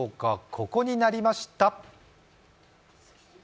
ここになりました。